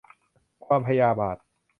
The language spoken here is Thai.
ความพยาบาท